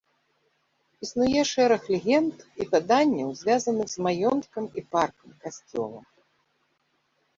Існуе шэраг легенд і паданняў, звязаных з маёнткам і паркам, касцёлам.